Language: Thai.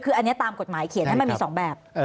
คืออันนี้ตามกฎหมายเขียนให้มันมี๒แบบ